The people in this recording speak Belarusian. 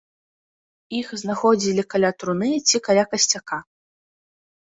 Іх знаходзілі каля труны ці каля касцяка.